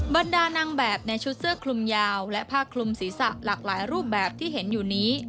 บรรดานางแบบในชุดเสื้อคลุมยาวและผ้าคลุมศีรษะหลากหลายรูปแบบที่เห็นอยู่นี้